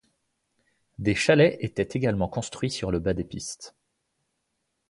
Des chalets étaient également construits sur le bas des pistes.